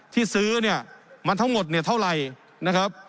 ที่ซื้อเนี่ยมันทั้งหมดเนี่ยเท่าไหร่นะครับ